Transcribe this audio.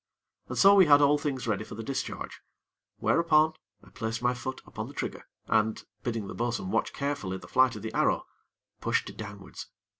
And so we had all things ready for the discharge; whereupon, I placed my foot upon the trigger, and, bidding the bo'sun watch carefully the flight of the arrow, pushed downwards.